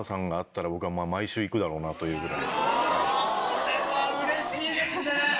これはうれしいですね！